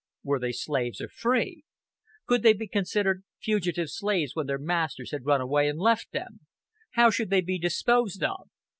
Were they slaves or free? Could they be considered fugitive slaves when their masters had run away and left them? How should they be disposed of?